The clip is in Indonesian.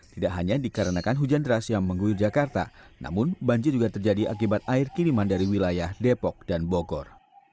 tidak hanya dikarenakan hujan deras yang mengguyur jakarta namun banjir juga terjadi akibat air kiriman dari wilayah depok dan bogor